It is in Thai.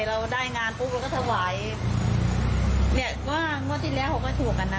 เราได้งานปุ๊บเราก็ถวายเนี่ยว่างวดที่แล้วเขาก็ถูกกันนะ